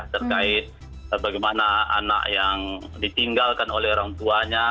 terkait bagaimana anak yang ditinggalkan oleh orang tuanya